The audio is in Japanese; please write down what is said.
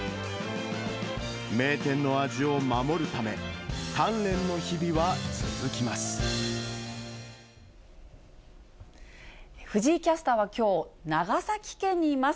名店の味を守るため、鍛錬の日々藤井キャスターはきょう、長崎県にいます。